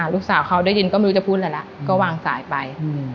ลูกสาวเขาได้ยินก็ไม่รู้จะพูดอะไรแล้วก็วางสายไป